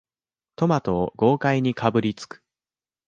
トマトを豪快にかぶりつく